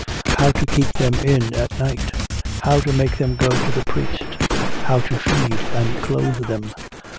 How to keep them in at night? How to make them go to the priest? How to feed and clothe them?